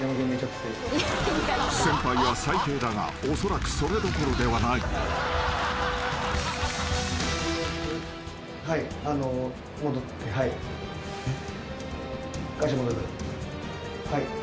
［先輩は最低だがおそらくそれどころではない］えっ？